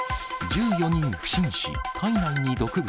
１４人不審死、体内に毒物。